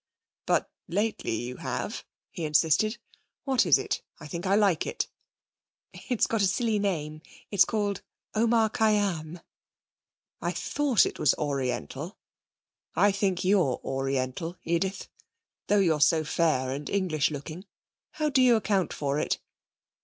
'But lately you have,' he insisted. 'What is it? I think I like it.' 'It's got a silly name. It's called Omar Khayyám.' 'I thought it was Oriental. I think you're Oriental, Edith. Though you're so fair and English looking. How do you account for it?'